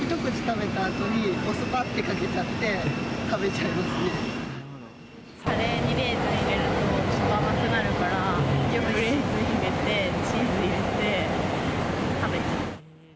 一口食べたあとに、お酢、ばっとかけちゃって、カレーにレーズン入れると、ちょっと甘くなるから、よくレーズン入れて、チーズ入れて、食べてた。